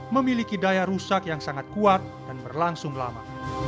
memiliki daya rusak yang sangat kuat dan berlangsung lama